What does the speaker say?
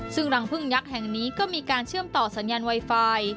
ซึ่งรังพึ่งยักษ์แห่งนี้ก็มีการเชื่อมต่อสัญญาณไวไฟ